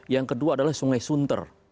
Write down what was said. yang kedua adalah sungai sunter